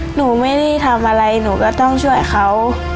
หนูไม่ได้ทำอะไรหนูก็ต้องช่วยเขา